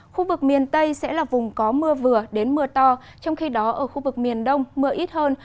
khu vực miền tây sẽ là vùng có mưa vừa đến mưa to trong khi đó ở khu vực miền đông mưa ít hơn